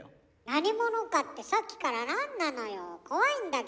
何者かってさっきからなんなのよ怖いんだけど。